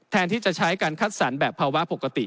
แทนที่จะใช้การคัดสรรแบบภาวะปกติ